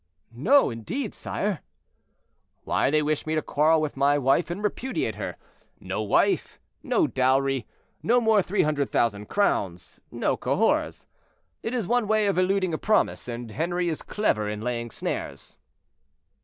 "No, indeed, sire." "Why they wish me to quarrel with my wife and repudiate her. No wife, no dowry, no more 300,000 crowns, no Cahors. It is one way of eluding a promise, and Henri is clever in laying snares."